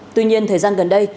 tuy nhiên thời gian gần đây